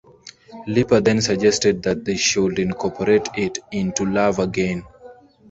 Lipa then suggested that they should incorporate it into "Love Again".